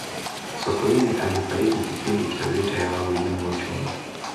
sokoine alifariki kipindi cha vita ya wahujumu uchumi